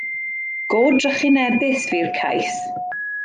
Go drychinebus fu'r cais.